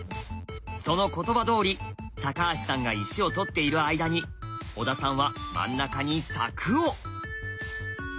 その言葉どおり橋さんが石を取っている間に小田さんは真ん中に柵を。